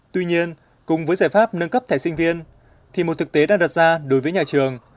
tuy nhiên cùng với giải pháp nâng cấp thẻ sinh viên thì một thực tế đang đặt ra đối với nhà trường